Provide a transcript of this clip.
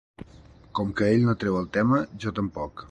Com que ell no treu el tema, jo tampoc.